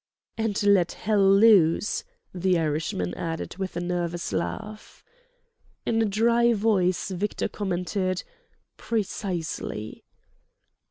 "And let Hell loose!" the Irishman added with a nervous laugh. In a dry voice Victor commented: "Precisely."